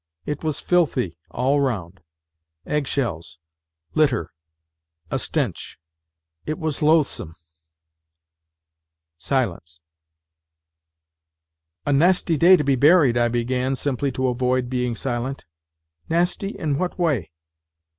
It was filthy all round ... Egg shells, litter ... a stench. It was loathsome." Silence. " A nasty day to be buried," I began, simply to avoid being silent. " Nasty, in what way